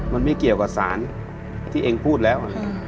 มันไม่เกี่ยวกับสารที่เองพูดแล้ว